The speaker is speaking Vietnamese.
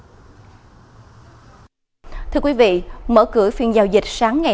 giảm lúc người tiêu dùng có cái quyết định cũng như là lựa chọn hàng hóa